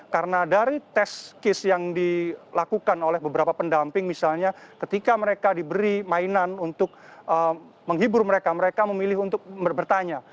karena dari tes kis yang dilakukan oleh beberapa pendamping misalnya ketika mereka diberi mainan untuk menghibur mereka mereka memilih untuk bertanya